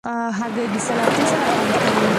هګۍ د سلاتې سره خوند کوي.